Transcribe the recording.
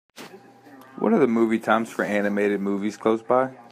what are the movie times for animated movies close by